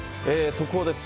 速報です。